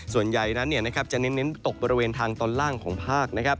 ส่วนใหญ่นั้นจะเน้นตกบริเวณทางตอนล่างของภาค